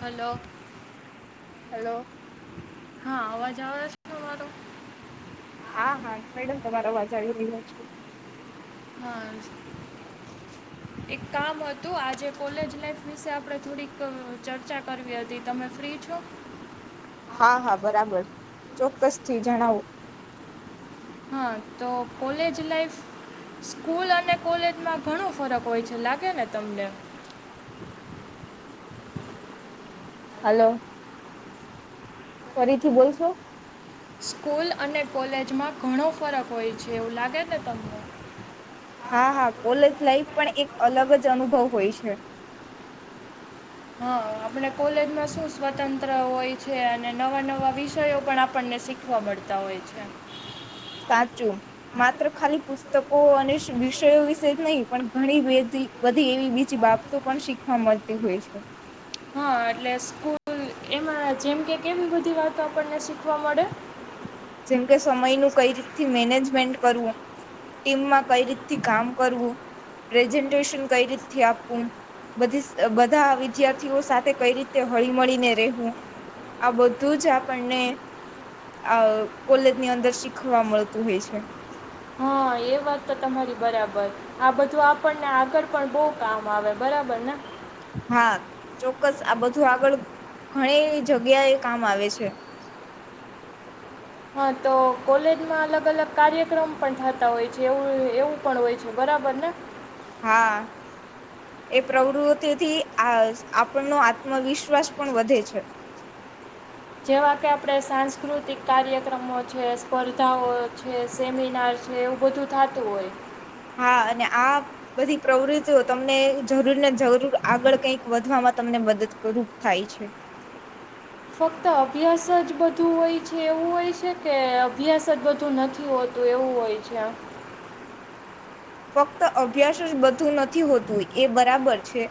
Hello. Hello. હા અવાજ આવે છે, મારો? હા, હા, મેડમ તમારો અવાજ આવી રહ્યો છે. હા, એક કામ હતું. આજે કોલેજ લાઈફ વિશે આપડે થોડીક ચર્ચા કરવી હતી, તમે ફ્રી છો? હા હા બરાબર, ચોક્કસ થી જણાવો. હા તો કોલેજ લાઈફ સ્કૂલ અને કોલેજમાં ઘણું ફરક હોય છે લાગે ને તમને? હલો, ફરીથી બોલશો? સ્કૂલ અને કોલેજમાં ઘણો ફરક હોય છે એવું લાગે ને તમને? હા હા કોલેજ લાાઈફ પણ એક અલગ જ અનુભવ હોય છે. હ, આપણે કોલેજમાં શું સ્વતંત્ર હોય છે, અને નવા નવા વિષયો પણ આપણને શીખવા મળતા હોય છે. હાચુ, માત્ર ખાલી પુસ્તકો અને વિષયો વિશે જ નઈ પણ ઘણી બેધી બધી એવી બીજી બાબતો પણ શીખવા મળતી હોય છે. હા એટલે સ્કૂલ એમાં જેમ કે કેમ બધી વાતો આપણને શીખ વા મડે. જેમકે સમયનું કઈ રીતથી મેનેજમેન્ટ કરવું, ટીમમાં કઈ રીતથી કામ કરવું, પ્રેઝન્ટેશન કઈ રીતથી આપવું, બધી સ બધા વિદ્યાર્થીઓ સાથે કઈ રીતે હળી મળીને રહેવું, આ બધું જ આપણને અ કોલેજની અંદર શીખવા મલતું હોય છે. હા એ વાત તો તમારી બરાબર, આ બધું આપણને આગળ પણ બઉ કામ આવે બરાબર ને? હા ચોક્કસ આ બધું આગળ ઘણી જગ્યાએ કામ આવે છે. હા તો કોલેજમાં અલગ અલગ કાર્યક્રમ પણ થતા હોય છે એવું એવું પણ હોય છે બરાબર ને? હા, એ પ્રવૃતિથી આજ આપણનો આત્મવિશ્વાસ પણ વધે છે. જેવા કે આપણે સાંસ્કૃતિક કાર્યક્રમો છે, સ્પર્ધાઓ છે, સેમિનાર છે એવું બધું થાતું હોય. હા અને આ બધી પ્રવૃતિઓ તમને જરૂર ને જરૂર આગળ કઈક વધવામાં તમને મદકરૂપ થાય છે. ફક્ત અભ્યાસ જ બધું હોય છે એવું હોય છે કે અભ્યાસ જ બધું નથી હોતું એવું હોય છે? ફક્ત અભ્યાસ જ બધું નથી હોતું એ બરાબર છે,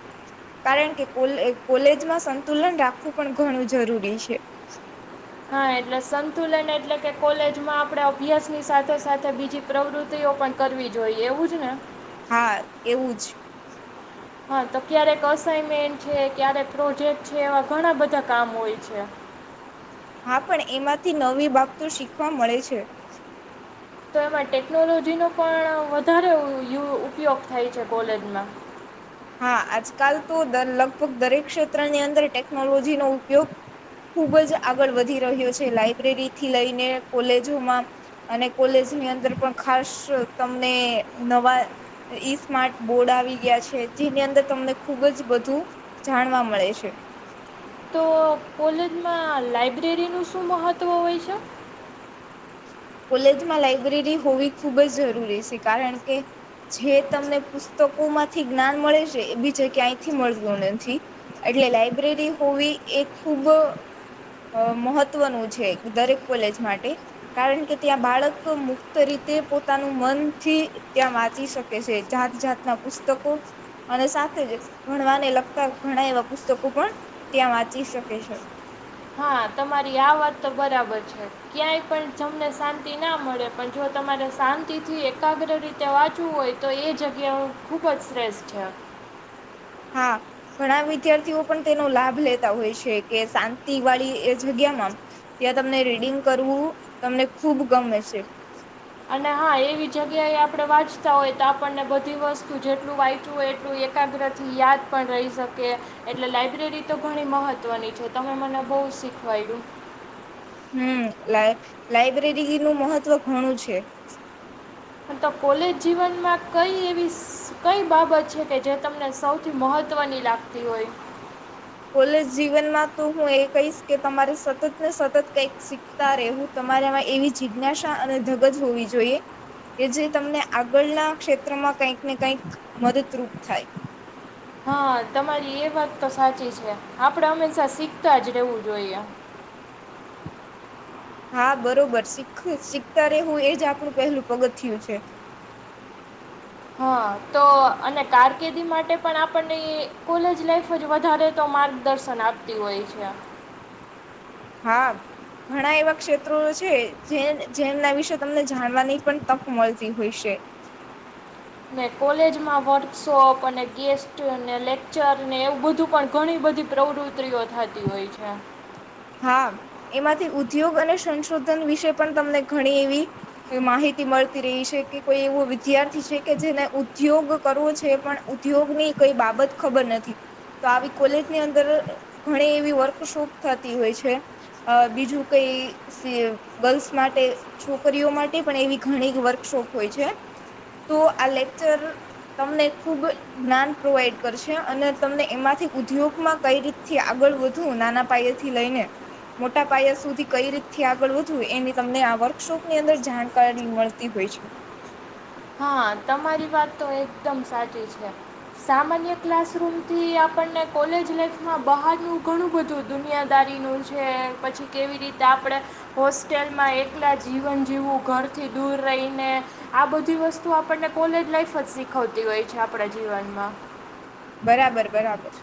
કારણ કે કોલે કોલેજમાં સંતુલન રાખવું પણ ઘણું જરૂરી છે. હા એટલે સંતુલન એટલે કે કોલેજમાં આપણે અભ્યાસ ની સાથે સાથે બીજી પ્રવૃતિઓ પણ કરવી જોઈએ એવું જ ને? હા એવું જ. હા તો ક્યારેક અસાઈનમેન્ટ છે, ક્યારેક પ્રોજેક્ટ છે, એવા ઘણા બધા કામ હોય છે. હા પણ એમાંથી નવી બાબતો શીખવા મળે છે. તો એમાં ટેકનોલોજીનો પણ વધારે ઉ યુ ઉપયોગ થાય છે કોલેજમાં. હા આજકાલ તો દર લગભગ દરેક ક્ષેત્રની અંદર ટેકનોલો જીનો ઉપયોગ ખૂબ જ આગળ વધી રહ્યો છે, લાઈબ્રેરી થી લઈને કોલેજોમાં અને કોલેજની અંદર પણ ખાસ તમને નવા ઈ સ્માર્ટ બોર્ડ આવી ગયા છે. જેની અંદર તમને ખુબ જ બધું જાણવા મળે છે. તો કોલેજમાં લાઈબ્રેરીનું શું મહત્વ હોય છે? કોલેજમાં લાઈબ્રેરી હોવી ખૂબ જ જરૂરી છે કારણ કે જે તમને પુસ્તકોમાંથી જ્ઞાન મળે છે એ બી જ ક્યા. મળ નથી એટલે લાયબ્રેરી હોવી એક ખૂબ. મહત્વનું છે, દરેક કોલેજ માટે કારણ કે ત્યાં બાળક મુક્ત રીતે પોતાનું મનથી ત્યાં વાંચી શકે છે, જાત જાતના પુસ્તકો અને સાથે જ ભણવાને લગતા ઘણા એવા પુસ્તકો પણ ત્યાં વાંચી શકે છે. હા તમારી આ વાત તો બરાબર છે ક્યાંય પણ તમને શાંતિ ના મળે પણ જો તમારે શાંતિથી એકાગ્ર રીતે વાંચવું હોય તો એ જગ્યા હું ખુબ જ શ્રેષ્ઠ છે હા ઘણા વિદ્યાર્થીઓ પણ તેનો લાભ લેતા હોય છે કે શાંતિ વાળી એ જગ્યામાં ત્યાં તમને રીડિંગ કરવું તમને ખૂબ ગમે છે અને હા એવી જગ્યાએ આપણે વાંચતા હોય તો આપણને બધી વસ્તુ જેટલું વાંચવું હોય એટલું એકાગ્ર થી યાદ પણ રહી શકે એટલે લાઈબ્રેરી તો ઘણી મહત્વની છે તમે મને બહુ શીખવાયું હમ્મ, લાઈ લાઈબ્રેરીનું મહત્ત્વ ઘણું છે. પણ તો કોલેજ જીવનમાં કઈ એવી સ કઈ બાબત છે કે જે તમને સૌથી મહત્ત્વની લાગતી હોય? કોલેજ જીવનમાં તો હું એ કહીશ કે તમારે સતત ને સતત કઈક શીખતા રહેવું, તમારેમાં એવી જિજ્ઞાસા અને ધગજ હોવી જોઈએ, કે જે તમને આગળના ક્ષેત્રમાં કઈક ને કઈક મદદરૂપ થાય. હ, તમારી એ વાત તો સાચી છે, આપડે હંમેશા શીખતા જ રહેવું જોઈએ. હા બરોબર શીખવું શીખતા રહેવું એજ આપણું પહેલું પગ થું છે. હા તો અને કારકિર્દી માટે પણ આપણને કોલેજ લાઈફ જ વધારે તો માર્ગદર્શન આપતી હોય છે. હા ઘણા એવા ક્ષેત્રો હોય છે, જે જેમના વિશે તમને જાણવાની પણ તક મળતી હોય શે. શોપ, અને ગેસ્ટ, અને લેક્ચરને એવું બધું પણ ઘણી બધી પ્રવૃત્રિઓ થાતી હોય છે. હા એમાંથી ઉદ્યોગ અને સંશોધન વિશે પણ તમને ઘણી એવી માહિતી મળતી રહી છે કે કોઈ એવો વિદ્યાર્થી છે કે જેને ઉદ્યોગ કરવો છે, પણ ઉદ્યોગની કઈ બાબત ખબર નથી તો આવી કોલેજની અંદર ઘણી કે વર્કશોપ થ તી હોય છે, આ બીજું કઈ સી ગર્લ્સ માટે, છોકરીઓ માટે પણ એવી ઘણી વર્કશોપ હોય છે, તો આ લેક્ચર તમને ખુબ જ્ઞાન પ્રોવાઈડ કરશે અને તમને એમાંથી ઉદ્યોગમાં કઈ રીતથી આગળ વધુ નાના પાયે થી લઈને, મોટા પાયા સુધી કઈ રીતથી આગળ વધવું એની તમને આ વર્કશોપની અંદર જાણકારી મળતી હોય છે. હ તમારી વાત તો એકદમ સાચી છે, સામાન્ય ક્લાસરૂમથી આપણને કોલેજ લાાઈફમાં બહારનું ઘણું બધું દુનિયાદારીનું છે, પછી કેવી રીતે આપણે હોસ્ટેલમાં એકલા જીવન જીવવું ઘરથી દૂર રહીને આ બધી વસ તું આપણને કોલેજ લાઈફ જ શીખવતી હોય છે આપણા જીવનમાં. બરાબર બરાબર.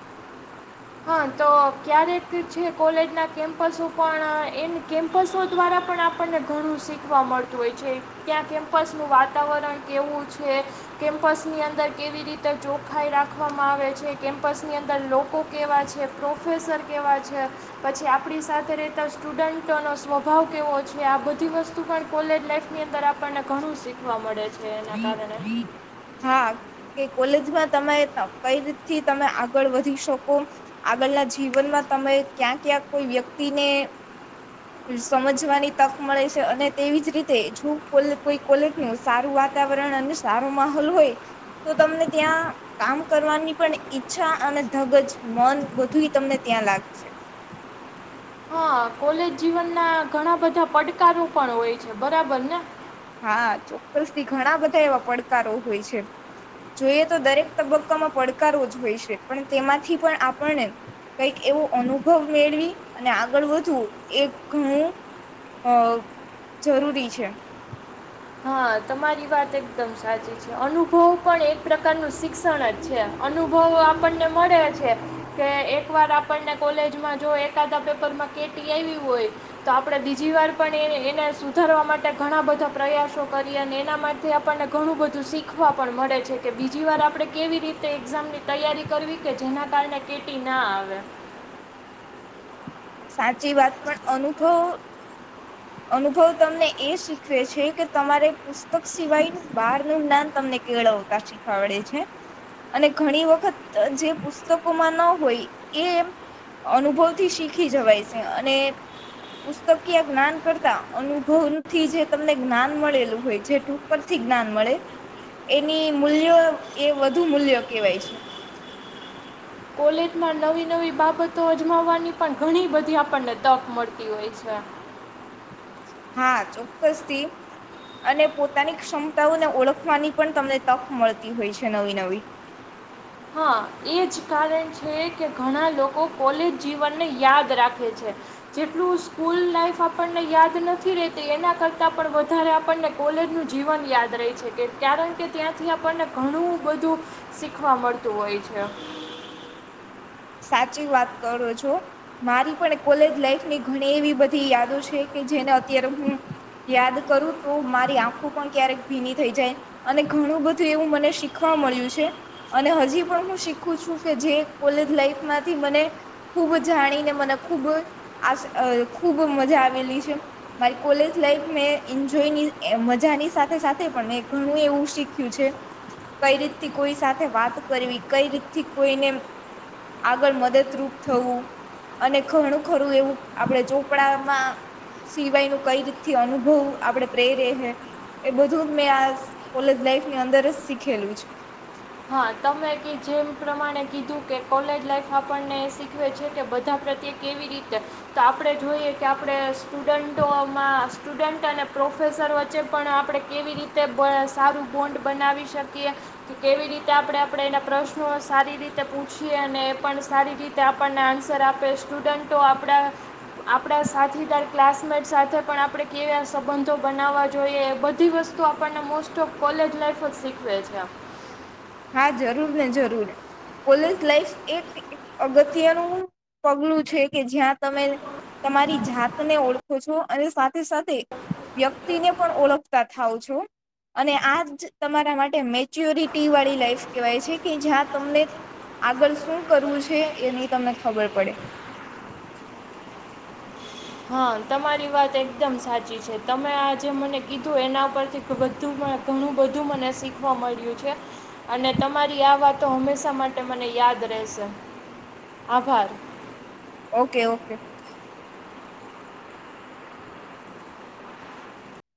હા તો ક્યારેક છે, કોલેજના કેમ્પસો પણ એને કેમ્પસો દ્વારા પણ આપણને ઘણું શીખવા મળતું હોય છે, ત્યાં કેમ્પસ નું વાતાવરણ કેવું છે, કેમ્પસ ની અંદર કેવી રીતે ચોખાઈ રાખવામાં આવે છે, કેમ્પસ ની અંદર લોકો કેવા છે, પ્રોફેસર કેવા છે, પછી આપણી સાથે રહેતા સ્ટુડન્ટોનો સ્વભાવ કેવો છે, આ બધી વસ્તુ પણ કોલેજ લાઈફની અંદર આપણને ઘણું શીખવા મળે છે. એના કારણે [unintelligible] હા કે કોલેજમાં તમારે કઈ રીતથી તમે આગળ વધી શકો આગળના જીવનમાં તમે ક્યાં ક્યાં કોઈ વ્યક્તિને સમજવાની તક મળે છે, અને તેવી જ રીતે જો કો કોઈ કોલેજનું સારું વાતાવરણ અને સારો માહોલ હોય તો તમને ત્યાં કામ કરવાની પણ ઈચ્છા અને ધગજ મન બધું તમને ત્યાં લાગશે. હા કોલેજ જીવન ના ઘણા બધા પડકારો પણ હોય છે, બરાબર ને? હા ચોક્કસથી ઘણા બધા એવા પડકારો હોય છે, જોઈએ તો દરેક તબક્કામાં પડકારો જ હોય છે, પણ તેમાંથી પણ આપણને કંઈક એવો અનુભવ મેળવી અને આગળ વધવું એ ઘણું આ જરૂરી છે. હા તમારી વાત એકદમ સાચી છે, અનુભવ પણ એક પ્રકારનું શિક્ષણ જ છે, અનુભવ આપણને મળે છે, કે એક વાર આપણને કોલેજમાં જો એકાદા પેપરમાં કેટી આઈવી હોય, તો આપણે બીજી વાર પણ એ એને સુધારવા માટે ઘણા બધા પ્રયાસો કરી અને એના માટે આપણને ઘણું બધું શીખવા પણ મળે છે, કે બીજી વાર આપણે કેવી રીતે એક્ઝામની તૈયારી કરવી કે જેના કારણે કેટી ના આવે. સાચી વાત પણ અનુભવ અનુભવ તમને એ શીખવે છે, કે તમારે પુસ્તક સિવાય બહાર નું જ્ઞાન તમને કેળવતા શીખવાડે છે, અને ઘણી વખત જે પુસ્તકોમાં ન હોય એ અનુભવ થી શીખ ખી જવાય છે, અને પુસ્તકીય જ્ઞાન કરતા અનુભવથી જે તમને જ્ઞાન મળેલું હોય જે [unintelligible] પર થી જ્ઞાન મળે એની મૂલ્યો એ વધુ મૂલ્યો કેહેવાય છે. કોલેજમાં નવી નવી બાબતો અજમાવવાની પણ ઘણી બધી આપણને તક મળતી હોય છે. હા ચોક્કસથી અને પોતાની ક્ષમતાઓને ઓળખવાની પણ તમને તક મળતી હોય છે, નવી નવી. હા એજ કારણ છે, કે ઘણા લોકો કોલેજ જીવનને યાદ રાખે છે, જેટલું સ્કૂલ લાઈફ આપણને યાદ નથી રેતી એના કરતા પણ વધારે આપણને કોલેજનું જીવન યાદ રે છે, કે કારણ કે ત્યાંથી આપણને ઘણું બધું શીખવા મળતું તું હોય છે. સાચી વાત કરો છો. મારી પણ કોલેજ લાઈફ ની ઘણી એવી બધી યાદો છે, કે જેને અત્યારે હું યાદ કરું તો મારી આંખું પણ ક્યારેક ભીની થઈ જાય અને ઘણું બધું એવું મને શીખવા મળ્યું છે, અને હજી પણ હું શીખું છું, કે જે કોલે લાઈફ માંથી મને ખૂબ જાણીને મને ખૂબ આશા આ ખૂબ મજા આવેલી છે, મારી કોલેજ લાઈફ મેં એન્જોયની મજાની સાથે સાથે પણ મેં ઘણું એવું શીખ્યું છે, કઈ રીત થી કોઈ સાથે વાત કરવી કઈ રીતથી કોઈને આગળ મદદરૂપ થવું અને ઘણું ખરું એવું આપણે ચોપડામાં સિવાયનું કઈ રીતથી અનુભવું આપણે પ્રેરે હે એ બધું મેં આ કોલેજ લાઈફની અંદર જ શીખેલું છું. હા તમે કે જેમ પ્રમાણે કીધું કે કોલેજ લાઈફ માં પણ આપણને શીખવે છે, કે બધા પ્રત્યે કેવી રીતે તો આપડે જોઈએ કે આપડે સ્ટુડન્ટોમાં સ્ટુડન્ટ અને પ્રોફેસર વચ્ચે પણ આપણે કેવી રીતે સારું બોન્ડ બનાવી શકીએ કે છે કેવી રીતે ત્યાં આપડે આપડે એના પ્રશ્નો સારી રીતે પૂછીએ અને એ પણ સારી રીતે આપણને આન્સર આપી સ્ટુડન્ટો આપડા આપડા સાથીદાર ક્લાસમેટ સાથે પણ આપણે કેવા સંબંધો બનાવવા જોઈએ એ બધી વસ્તુ આપણને મોસ્ટ ઓફ કોલેજ લાાઈફ જ શીખવે છે. હા જરૂર ને જરૂર કોલેજ લાઈફ એક અગત્યનું પગલું છે કે જ્યાં તમે તમારી જાતને ઓળખો છો અને સાથે સાથે વ્યક્તિને પણ ઓળખતા થાવ છો અને આજ તમારા માટે મેચ્યોરિટી વાળી લાઇફ કવાય છે. કે જ્યાં તમને આગળ શું કરવું છે? એની તમને ખબર પડે. હા તમારી વાત એકદમ સાચી છે. તમે આજે મને કીધું એના પરથી બધું ઘણું બધું મને શીખવા મળ્યું છે. અને તમારી આ વાત તો હંમેશા માટે મને યાદ રહેશે. આભાર. Okay okay.